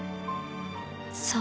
そう。